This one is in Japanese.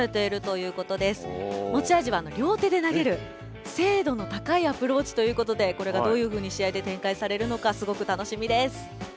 持ち味は両手で投げるせいどの高いアプローチということでこれがどういうふうに試合でてんかいされるのかすごく楽しみです。